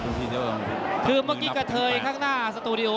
คือเมื่อกี้กระเทยข้างหน้าสตูดิโอ